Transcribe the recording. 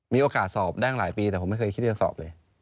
มีโอกาสสอบได้หลายปีแต่ผมไม่เคยคิดที่จะสอบเลย